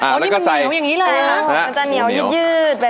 อันนี้มันเหนียวอย่างนี้เลยนะ